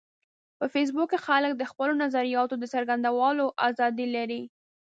په فېسبوک کې خلک د خپلو نظریاتو د څرګندولو ازادي لري